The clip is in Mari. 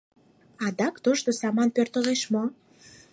Адак тошто саман пӧртылеш мо?!